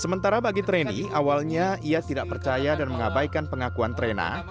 sementara bagi treni awalnya ia tidak percaya dan mengabaikan pengakuan trena